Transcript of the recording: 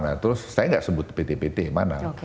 nah terus saya nggak sebut pt pt mana